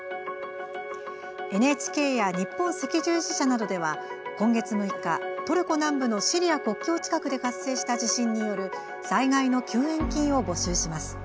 ＮＨＫや日本赤十字社などでは今月６日トルコ南部のシリア国境近くで発生した地震による災害の救援金を募集します。